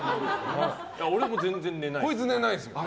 俺、全然寝ないです。